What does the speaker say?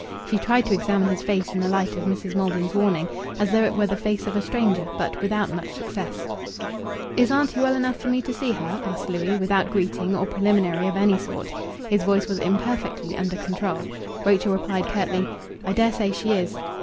She tried to examine his face in the light of Mrs. Maldon's warning, as though it were the face of a stranger; but without much success. "Is auntie well enough for me to see her?" asked Louis, without greeting or preliminary of any sort. His voice was imperfectly under control. Rachel replied curtly "I dare say she is."